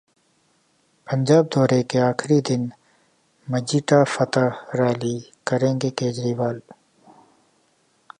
पंजाब दौरे के आखिरी दिन 'मजीठा फतह रैली' करेंगे केजरीवाल